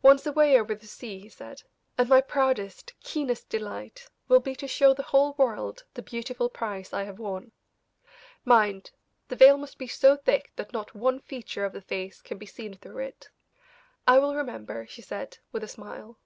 "Once away over the sea," he said, "and my proudest, keenest delight will be to show the whole world the beautiful prize I have won. Mind, the veil must be so thick that not one feature, of the face can be seen through it." "I will remember," she said, with a smile.